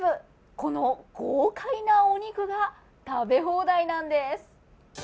この豪快なお肉が食べ放題なんです。